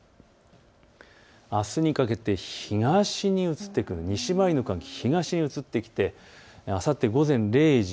あすにかけて東に移ってくる、西回りの寒気が東に移ってきて、あさって午前０時。